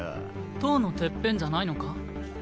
塔のてっぺんじゃないのか？